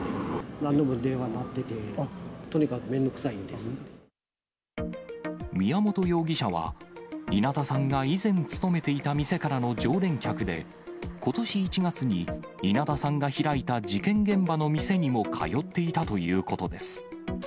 何度も電話が鳴ってて、宮本容疑者は、稲田さんが以前勤めていた店からの常連客で、ことし１月に稲田さんが開いた事件現場の店にも通っていたということです。